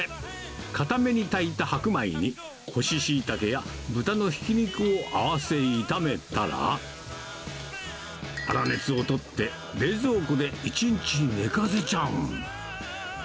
かために炊いた白米に、干しシイタケや豚のひき肉を合わせ炒めたら、粗熱をとって、冷蔵庫で１日寝かせちゃう。